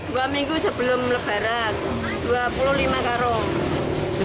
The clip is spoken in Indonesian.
dua minggu sebelum lebaran dua puluh lima karung